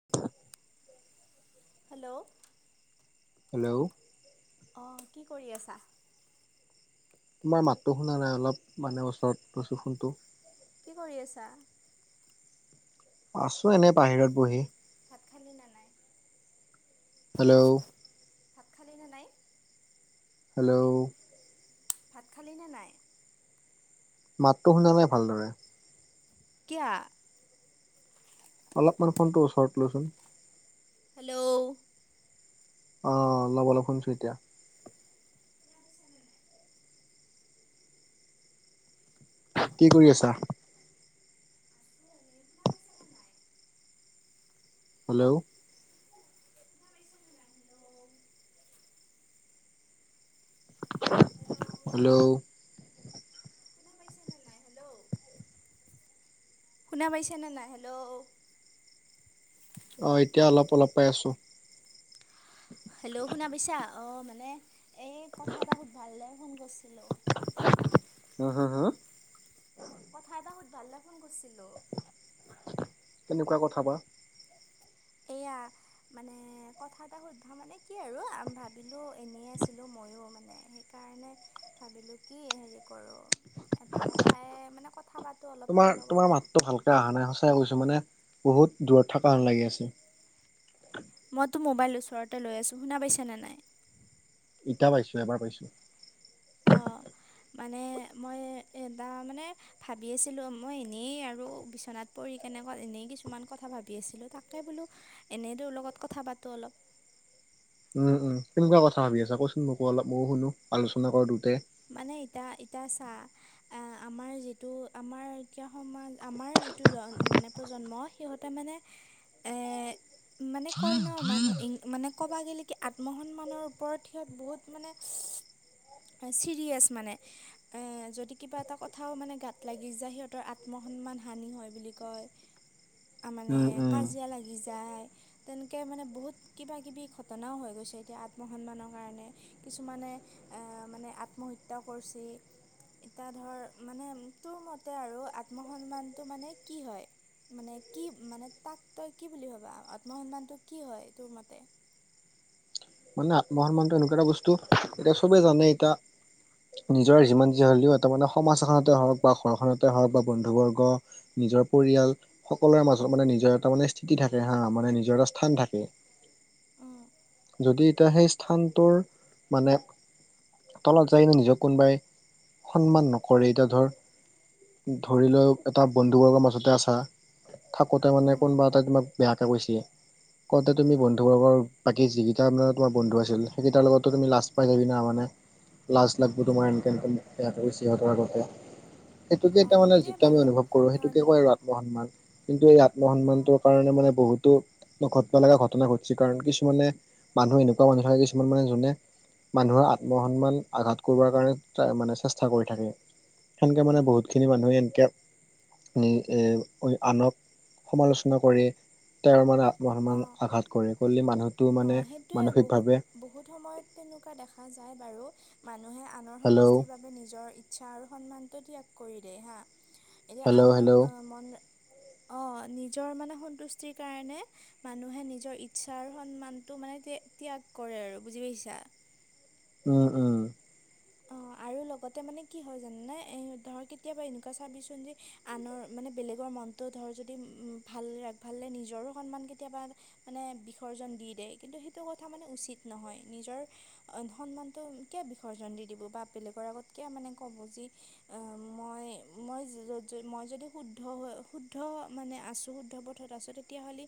[inaudible] Hello hello অঁ কি কৰি আছা? তোমাৰ মাতটো শুনা নাই অলপ মানে ওচৰত লৈছোঁ ফোনটো। কি কৰি আছা? আছো এনেই বাহিৰত বহি। ভাত খালি না নাই? হেল্ল' ভাত খালি না নাই? হেল্ল' ভাত খালি না নাই? মাতটো শুনা নাই ভালদৰে। কিয়া? অলপমান ফোনটো ওচৰত লচোন। হেল্ল' অ অলপ অলপ শুনছোঁ এতিয়া। [unintelligible] কি কৰি আছা? আছোঁ এনে শুনা পাইছে নে নাই? হেল্ল' শুনা পাইছা না নাই হেল্ল'। হেল্ল' শুনা পাইছেনে নাই হেল্ল'? অ এতিয়া অলপ অলপ পাই আছোঁ। হেল্ল' শুনা পাইছা অঁ মানে এই কথা এটা সুধবা লে ফোন কৰছিলোঁ। উম হুম হুম। কথা এটা সুধভালে ফোন কৰছিলোঁ। কেনেকুৱা কথা বা! এয়া মানে কথা এটা সুধবা মানে কি আৰু ভাবিলো এনেই আছিলো মইয়ো মানে কাৰণে ভাবিলো কি হেৰি কৰো। এটা কথাই মানে কথা পাতো অলপ তোমাৰ তোৰ তোমাৰ লগতে। মাতটো ভালকে অহা নাই সঁচাই কৈছো মানে বহুত দূৰত থাকা হান লাগি আছে। মইতো মোবাইল ওচৰতে লৈ আছোঁ শুনা পাইছানে নাই? ইতিয়া পাইছো এবাৰ পাইছো অ, মানে মই এ তাৰমানে ভাবি আছিলোঁ মই এনেই আৰু বিচনাত পৰি কেনেকৈ এনেই কিছুমান কথা ভাবি আছিলোঁ তাকে বোলো এনেই তোৰ লগত কথা পাতো অলপ। উম, উম, কেনকুৱা কথা ভাবি ক'চোন মোকো অলপ ময়ো শুনো আলোচনা কৰো দুয়োতায়। মানে এইটা এইটা চা আহ, আমাৰ যিটো আমাৰ কিয় সমাজ আমাৰ যিটো জন মানে প্ৰজন্ম সিহঁতে মানে এ [inaudible] মানে কয় ন' মানুহ [unintelligible] মানে ক'বা গ'লে কি আত্মসন্মানৰ ওপৰত সিহঁত বহুত মানে ছিৰিয়েছ মানে এ যদি কিবা এটা কথাও মানে গাত লাগি যায় সিহঁতৰ আত আত্মসন্মান হানি হয় বুলি কয় মানে উম উম কাজিয়া লাগি যায়। তেনকে মানে বহুত কিবা কিবি ঘটনাও হৈ গৈছে এতিয়া আত্ম সন্মানৰ কাৰণে। কিছুমানে এহ, মানে আত্মহত্যাও কৰছি। এতিয়া ধৰ মানে তোৰ মতে আৰু আত্মসন্মানটো মানে কি হয়? মানে কি মানে তাক তই কি বুলি ভাবা আত্মসন্মানটো কি হয় তোৰ মতে? মানে আত্মসন্মানটো এনেকুৱা এটা বস্তু এতিয়া চবে জানে এতিয়া নিজৰ যিমান যি হ'লেও এটা মানে সমাজ এখনতে বা ঘৰখনতে হওক বা বন্ধু বৰ্গ নিজৰ পৰিয়াল সকলোৰে মাজত মানে নিজৰ এটা মানে স্থিতি থাকে হা মানে নিজৰ এটা স্থান থাকে। উম। যদি এতিয়া সেই স্থানটোৰ মানে তলত যাইনো নিজক কোনবাই সন্মান নকৰে এতিয়া ধৰ ধৰি ল' এটা বন্ধুবৰ্গৰ মাজতে আছা থাকোতে মানে উম, কোনোবা এটাই তোমাক বেয়াকে কৈছে কওঁতে তুমি উম, বন্ধুবৰ্গৰ বাকী যিকি টা মানে তোমাৰ বন্ধু আছিল সেইকেইাৰ লগততো তুমি লাজ পাই যাবি না মানে লাজ লাগব তোমাৰ এনকে এনকে মোক বেয়াকে কৈছে সিহঁতৰ আগতে। সেইটোকে অ' তাৰ মানে সেইটোৱে যিটো আমি বাৰু অনুভৱ কৰো ধৰ সেইটোকে কয় আৰু আত্ম সন্মান কিন্তু এই আত্ম অ' সন্মানটোৰ কাৰনে মানে বহুতো নঘটবালাগা ঘটনা ঘটছে কাৰণ কিছুমানে মানুহ এনেকুৱা মানুহ থাকে কিছুমান মানে যোনে মানুহৰ আত্ম সন্মান আঘাত কৰৱাৰ কাৰণে মানে ট্ৰাই চেষ্টা কৰি থাকে। সেনকে মানে উম, বহুতখিনি মানুহে এনকে নি এ অ-আনক সমালোচনা কৰি তেওঁৰ মানে আত্মসন্মান অ', আঘাত কৰে, কৰিলে মানুহকটো মানে [unintelligible] বহুত মানসিকভাৱে বহুত সময়ত তেনেকুৱা দেখা যায় বাৰু মানুহে আনৰ হেল্ল' সন্তুস্তিৰ বাবে নিজৰ ইচ্ছা আৰু সন্মানটো ত্যাগ কৰি দিয়ে হা। এতিয়া হেল্ল' আনৰ হেল্ল' মন অ', নিজৰ মানে সন্তুষ্টিৰ কাৰণে মানুহে নিজৰ ইচ্ছা আৰু সন্মানটো মানে ত্যা-ত্যাগ কৰে আৰু বুজি পাইছা? উম, উম। অঁ [inaudible] আৰু লগতে মানে কি হয় জানানে এই ধৰ কেতিয়াবা এনেকুৱা চাবিচোন যে আনৰ মানে বেলেগৰ মন তো ধৰ যদি ভাল ভাল নিজৰো সন্মান কেতিয়াবা মানে বিসৰ্জন দি দিয়ে কিন্তু সেইটো কথা মানে উচিত নহয়, নিজৰ অ', সন্মানটো কিয় বিসৰ্জন দি দিব বা বেলেগৰ আগত কিয় মানে ক'ব যি অ', মই মই য-য-যদি শুদ্ধ হৈ শুদ্ধ মানে আছোঁ শুদ্ধ পথত আছোঁ তেতিয়াহ'লে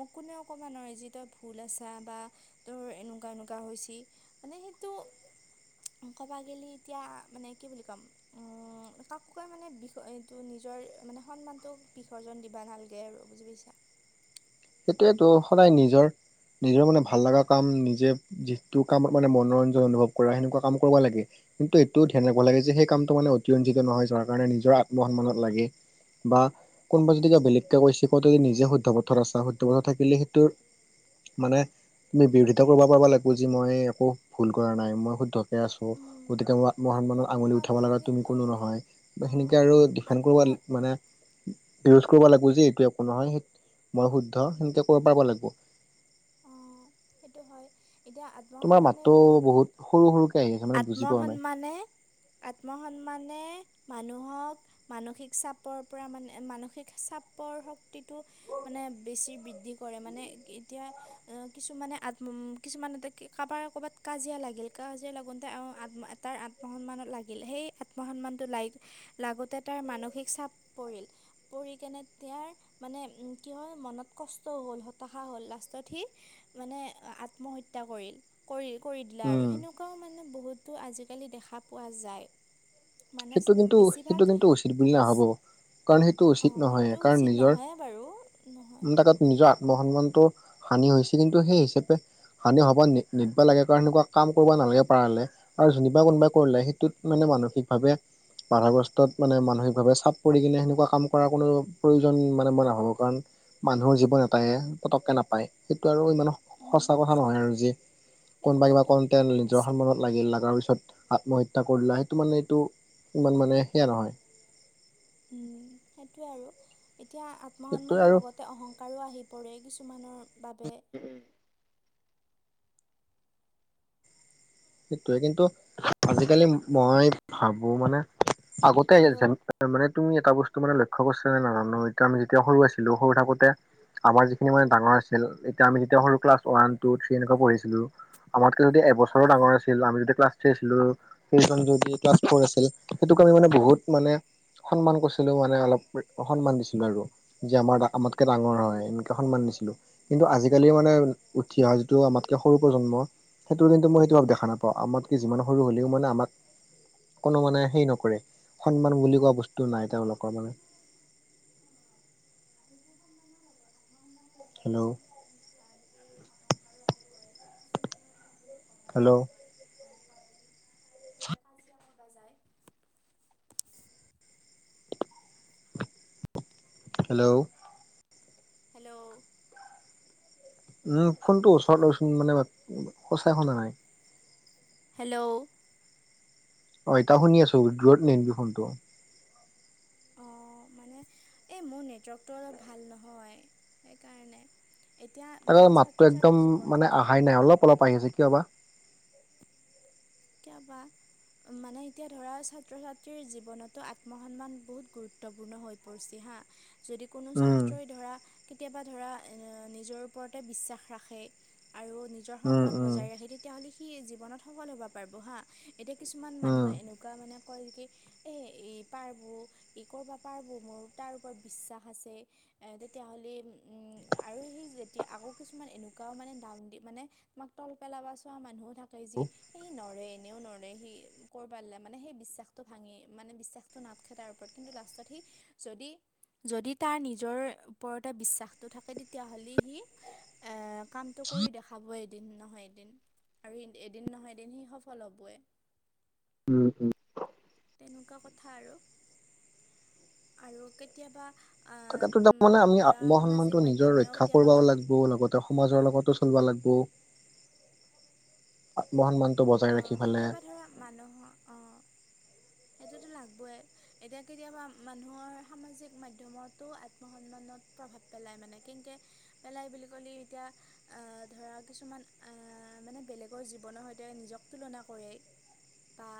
মোক কোনেও কবা নোৱাৰে যি তই ভুল আছা বা তোৰ এনেকুৱা এনেকুৱা হৈছি। মানে, সেইটো ক'বা গেলি এতিয়া, মানে কি বুলি ক'ম? উম, কাকোকে মানে বিষয় এইটো নিজৰ, মানে সন্মানটোক বিসৰ্জন দিবা নালগে আৰু। বুজি পাইছা? সেইটোয়েতো সদায় নিজৰ, নিজৰ মানে ভাল লাগা কাম নিজে যিটো কাম মানে মনোৰঞ্জন অনুভৱ কৰা, সেনেকুৱা কাম কৰিব লাগে। কিন্তু এইটোও ধ্যান ৰাখিব লাগে যে, সেই কামটো মানে অতিৰঞ্জিত নহয় যাৰ কাৰণে নিজৰ আত্ম সন্মানত লাগে। বা কোনবাই যদি কিবা, বেলেগকে কৈছে কওঁতে যদি নিজে শুদ্ধ পথত আছাঁ, শুদ্ধ পথত থাকিলে সেইটো মানে তুমি, বিৰোধিতা কৰিব পাৰব লাগব যে, মই একো ভুল কৰা নাই, মই শুদ্ধ। [inaudible] আছোঁ উম, গতিকে, মোৰ আত্মসন্মানত আঙুলি উঠাব আত্মসন্মানে লগা তুমি কিন্তু কোনো মানে নহয়। বা অঁ সেনেকে আৰু ডিফেন আত্মসন কৰিব মানে, বিৰোধ কৰিব লাগব যে এইটো একো নহয়। মই শুদ্ধ সেনেকে ক'ব পাৰিব লাগব। সেটো হয়, এতিয়া তোমাৰ আত্মসন্মানে মাতটো ধৰা বহুত সৰু সৰুকে, আহি [inaudible] নাই আত্মসন্মানে, আত্মসন্মানে, মানুহক মানসিক চাপৰ পৰা, মানে মানসিক চাপৰ শক্তিটো মানে বেছি বৃদ্ধি কৰে, মানে এতি এতিয়া অ, কিছুমানে আত্ম উম, কিছুমান [inaudible] কাৰোবাৰ কবাত কাজিয়া লাগিল, কাজিয়া লাগ তে, অ, আতম তাই আত্মসন্মানত লাগিল, সেই আত্মসন্মানটো লাইগ লাগোতে তাৰ মানসিক চাপ পৰিল, পৰি কেনে তিয়াৰ মানে উম, কি হয়, মনত কষ্ট হ'ল, হতাশা হ'ল। লাষ্টত সি মানে আত্মহত্যা, কৰিল। কৰিল, কৰি দিলে আৰু উম সেনেকুৱাও মানে বহুতো আজিকালি দেখা পোৱা যায়। মানে সেইটো কিন্তু, বেছিভাগ সেইটো কিন্তু, উচিত বুলি নাভাবো কাৰণ সেই টো, উচিত অঁ নহয়, সেইটো কাৰণ উচিত নিজৰ নহয়ে বাৰু নহয় [inaudible] নিজৰ আত্মসন্মানটো হানি হৈছে, কিন্তু সেই হিচাপে হানি হ'ব নিদ, নিদবা লাগে কাৰণ, সেনেকুৱা কাম কৰিব নালগে পাৰলে আৰু যেনিবা কোনোবা কৰিলে, সেইটোত মানে মানসিকভাৱে বাধাগ্ৰস্তত মানে মানসিকভাৱে চাপ পৰি কিনে সেনেকুৱা কাম কৰাৰ কোনো প্ৰয়োজন মানে মই নাভাবো কাৰণ মানুহৰ জীৱন এটাইহে, পতককে নাপায় সেইটো আৰু ইমান স উম, সঁচা কথা নহয় আৰু যি সেইটোৱেতো কোনবা-কিবা [inaudible] নিজৰ চা সন্মানত লাগিল, লাগাৰ পিছত আত্মহত্যা কৰিলা সেইটো মানে এইটো ইমান মানে সেয়া নহয়। উম, সেইটোৱে আৰু এতিয়া সেইটোৱে আত্মসন্মানৰ আৰু লগতে অহং কাৰো, আহি পৰে কিছুমানৰ বাবে। সেটোৱে কিন্তু, আজিকালি মই ভাবো মানে আগতে যেন হেল্ল' মানে তুমি এটা বস্তু মানে লক্ষ্য কৰিছা না, নাজানো এতিয়া আমি যেতিয়া সৰু আছিলো সৰু থাকোতে আমাৰ যিখিনি মানে ডাঙৰ আছিল, এতিয়া আমি যেতিয়া সৰু ক্লাছ ওৱান, টু, থ্ৰী এনেকুৱা পঢ়িছিলোঁ আমাতকে যদি এবছৰৰ ডাঙৰ, আছি [inaudible] আমিতো ক্লাছ থ্ৰী আছিলো, [inaudible] ক্লাছ ফৰ আছিল সেইটো কাৰণে মানে বহুত মানে সন্মান কৰিছিলোঁ মানে, অলপ [inaudible] অসন্মান দিছিলো আৰু যে আমাৰ গা আমাতকে ডাঙৰ হয়, এনেকে সন্মান দিছিলো কিন্তু আজিকালি মানে উঠি অহা, যিটো আমাতকে সৰু প্ৰজন্ম সেইটোৰ কিন্তু মই সেইটো [inaudible] দেখা নাপ পাওঁ, আমাত কে যিমান সৰু হ'লেও মানে আমাক কোনো মানে হেৰি নকৰে, সন্মান বুলি কোৱা বস্তু নাই তেওঁলোকৰ মানে। [unintelligible] হেল্ল'। নি, এতিয়া আহি পৰে অহংকাৰো আহি পৰে, কিছুমানৰ মানে বহু হেল্ল'। তেওঁ লোকে কাজিয়া লগাই যায়। হেল্ল'। হেল্ল'। উম, ফোনখনটো ওচৰত লৈচোন মানে উম', মই সঁচাই শুনা নাই। হেল্ল',। অ', এতিয়া শুনি আছোঁ দূৰত নিনবি ফোনটো। অ', মানে এই মোৰ নেটৱৰ্কটো অলপ ভাল নহয় সেইকাৰণে। এতিয়া তাৰে মানে মাতটো ছাত্ৰ একদম ছাত্ৰীৰ মানে জীৱনতো আহাই নাই অলপ-অলপ আহি আছে কিয় বা? কিয় বা? মানে এতিয়া ধৰা ছাত্ৰ-ছাত্ৰীৰ জীৱনতো আত্মসন্মান বহুত গুৰুত্বপূৰ্ণ হৈ পৰছে হাঁ। যদি কোনো উম ছাত্ৰই ধৰা। কেতিয়াবা ধৰা এএএ', নিজৰ ওপৰতে বিশ্বাস ৰাখে আৰু নিজৰ উম সন্মান উম বজাই ৰাখে হেৰি। তেতিয়াহ'লে সি জীৱনত সফল হ'বা পাৰবো হা, এতিয়া কিছুমান উম মানুহে এনেকুৱা মানে কয় কি? এ', ই পাৰবো, ই কৰবা পাৰবো, মোৰ তাৰ ওপৰত বিশ্বাস আছে। এ', তেতিয়াাহ'লে উম', আৰু সেই যেতিয়া আকৌ কিছুমান এনেকুৱাও মানে ডাউ দি মানে। তোমাক তল পেলাবা চোৱা মানুহো থাকে যি। সি নৰে এনেও নৰে সি ক'ৰ পালে মানে সেই বিশ্বাসটো ভাঙি। মানে বিশ্বাসটো নাটখে তাৰ ওপৰত কিন্তু লাষ্টত সি যদি। যদি তাৰ নিজৰ ওপৰতে বিশ্বাসটো থাকে তেতিয়াহ'লে সি। এ [unintelligible] কামটো কৰি দেখাবোই এদিন নহয় এদিন আৰু এ', -এদিন নহয় এদিন সি সফল হ'বই। উম', -উম',। তেনেকুৱা কথা আৰু, আৰু কেতিয়াবা। আহ, থাকা টো উম, তাৰমানে আমি ধৰা আত্ম সামাজিক সন্মানটো নিজৰ মাধ্যমেও ৰক্ষা কেতিয়াবা কৰিব মা- লাগব। আৰু লগতে সমাজৰ লগতো চলবা লাগব। আত্ম সন্মানটো বজাই অ' ৰাখি ফালে। কেতিয়াবা ধৰা মানুহৰ। অহ',। এইটোতো লাগবোই। এতিয়া কেতিয়াবা মানুহৰ সামাজিক মাধ্যময়তো আত্ম সন্মানত প্ৰভাৱ পেলাই মানে কেনকে। পেলাই বুলি ক'লি এতিয়া। অ', ধৰা কিছুমান অঅঅঅ', মানে বেলেগৰ জীৱনৰ সৈতে নিজক তুলনা কৰেই। [unintelligible] বা,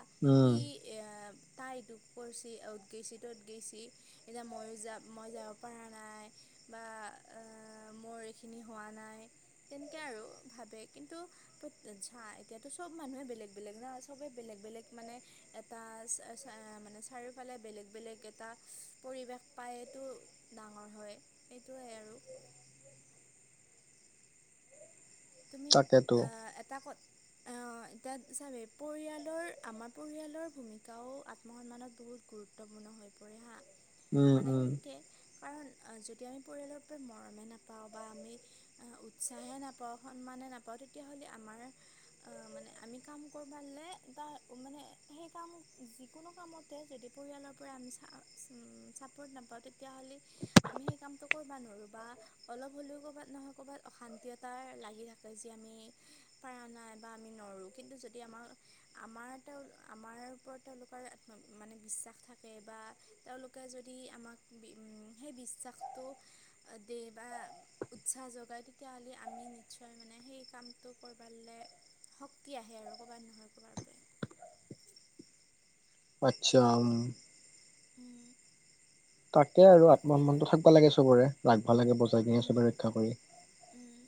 সি। উম এ', -আ', তাই দুঃখ কৰছি অ'ত গৈছি ত'ত গৈছি, এতিয়া ময়ো যাম, মই যাওঁক। পাৰা নাই বা আআআ', মোৰ এইখিনি হোৱা নাই। তেনেকে আৰু ভাবে কিন্তু। প্ৰত্যেক ঝা এতিয়াতো চব মানুহে বেলেগ বেলেগ না চবে বেলেগ বেলেগ মানে। এটা চা-চা, অ', মানে চাৰিওফালে বেলেগ বেলেগ এটা পৰিৱেশ পায়টো। ডাঙৰ হয় এইটোৱেই আৰু। তুমি, তাকেতো আ', এটা ক'ত? [unintelligible] এতিয়া [unintelligible] পৰিয়ালৰ আমাৰ পৰিয়ালৰ ভূমিকাও আত্মসন্মানত বহুত। গুৰুত্বপূৰ্ণ হৈ পৰে হা উম মানে উম কেনকে। কাৰণ যদি আমি পৰিয়ালৰ পৰা মৰমে নাপাওঁ বা আমি উৎসাহে নাপ সন্মানে নাপাওঁ তেতিয়াহ'লে আমাৰ। আ' মানে আমি কাম [unintelligible] মানে সেই কাম যিকোনো কামত। [unintelligible] যদি পৰিয়ালৰ পৰা আমি চা উম ছাপৰ্ট নাপাওঁ তেতিয়াহ'লে আমি সেই কামটো। ক'বা নৰোঁ বা অলপ হ'লেও ক'বাত নহয় ক'বাত অশান্তি এট তাৰ লাগি থাকে যি আমি পাৰা নাই বা আমি নৰোঁ কিন্তু যদি আমাক। আমাৰ তেওঁৰ আমাৰ ওপৰত তেওঁলোকৰ মানে বিশ্বাস থাকে বা তেওঁলোকে যদি আমাক বি উম সেই বিশ্বাসটো। দিয়ে বা উৎসাহ যোগাই তেতিয়া হ'লে। আমি নিশ্চয় মানে সেই কামটো [unintelligible] শক্তি আহে আৰু ক'বাৰ নহয় ক'বাৰ পৰা। আচ্ছা, উম। উম। তাকে আৰু আত্মসন্মানটো থাকিব লাগে চবৰে ৰাখিব লাগে বজাই কিনে চবে ৰক্ষা কৰি। উম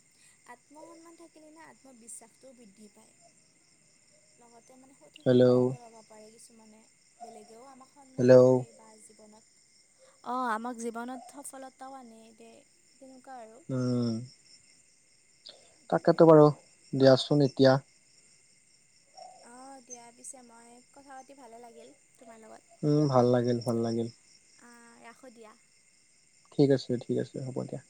আত্মসন্মান থাকিলে না আত্মবিশ্বাসটোও বৃদ্ধি পায়। লগতে মানে সঠিক হেল্ল' সিদ্ধান্ত ল'ব পাৰে কিছুমানে বেলেগেও আমাক। সন্মান হেল্ল' কৰে বা জীৱনত অ' আমাক জীৱনত সফলতাও আনি দিয়ে। তেনেকুৱা আৰু। উম তাকেতো সেইটোৱে বাৰু দিয়াচোন এতিয়া। অ দিয়া পিছে মই কথা পাতি ভালে লাগিল তোমাৰ লগত। উম ভাল লাগিল ভাল লাগিল। অ ৰাখোঁ দিয়া। ঠিক আছে ঠিক আছে হ'ব দিয়া।